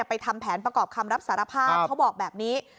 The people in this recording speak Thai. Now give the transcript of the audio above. ทำแผนประกอบคำรับสารภาพเขาบอกแบบนี้